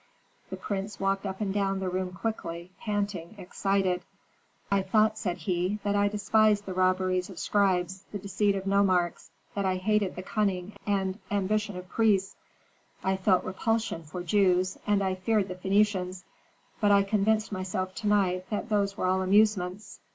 The prince walked up and down the room quickly, panting, excited. "I thought," said he, "that I despised the robberies of scribes, the deceit of nomarchs, that I hated the cunning and ambition of priests; I felt repulsion for Jews, and I feared the Phœnicians; but I convinced myself to night that those were all amusements.